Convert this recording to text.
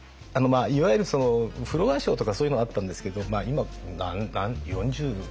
いわゆるフロア・ショーとかそういうのがあったんですけど４５４６年前かな。